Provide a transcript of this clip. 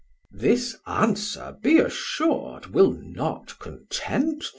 Off: This answer, be assur'd, will not content them.